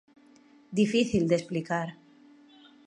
Difícil de explicar.